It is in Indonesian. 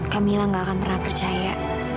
camilla gak akan pernah percaya